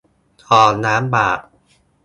สองล้าน บาท